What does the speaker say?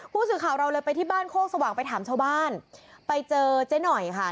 ผู้สื่อข่าวเราเลยไปที่บ้านโคกสว่างไปถามชาวบ้านไปเจอเจ๊หน่อยค่ะ